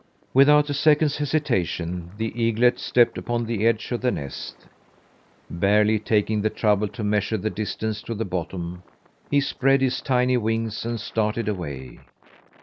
Without a second's hesitation the eaglet stepped upon the edge of the nest. Barely taking the trouble to measure the distance to the bottom, he spread his tiny wings and started away.